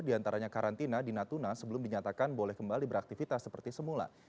di antaranya karantina dinatuna sebelum dinyatakan boleh kembali beraktifitas seperti semula